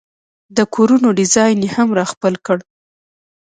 د کورونو ډیزاین یې هم را خپل کړل.